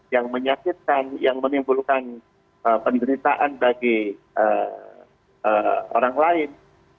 yang menyakitkan yang menimbulkan penderitaan bagi orang lain